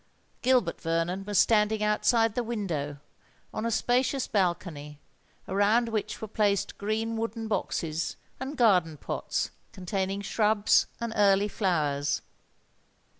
Gilbert Vernon was standing outside the window, on a spacious balcony, around which were placed green wooden boxes and garden pots containing shrubs and early flowers.